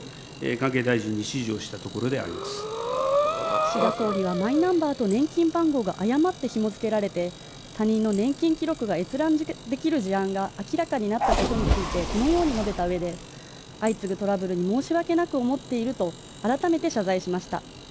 岸田総理はマイナンバーと年金番号が誤って紐づけられて他人の年金記録が閲覧できる事案が明らかになったことについてこのように述べた上で、相次ぐトラブルに申し訳なく思っていると改めて謝罪しました。